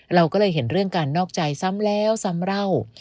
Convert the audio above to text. เราก็เลยเห็นเรื่องการนอกใจซ้ำแล้วซ้ำเล่า